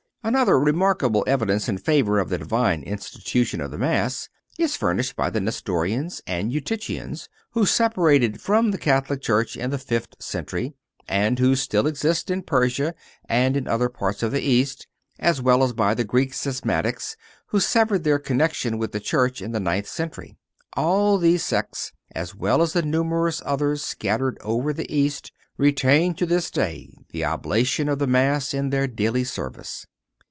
Another remarkable evidence in favor of the Divine institution of the Mass is furnished by the Nestorians and Eutychians, who separated from the Catholic Church in the fifth century, and who still exist in Persia and in other parts of the East, as well as by the Greek schismatics, who severed their connection with the Church in the ninth century. All these sects, as well as the numerous others scattered over the East, retain to this day the oblation of the Mass in their daily service.